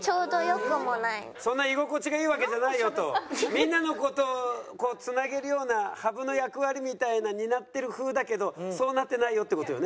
みんなの事をつなげるようなハブの役割みたいな担ってる風だけどそうなってないよって事よね？